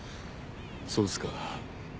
そうですか。